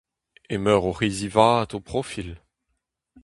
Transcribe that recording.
Emeur oc'h hizivaat ho profil…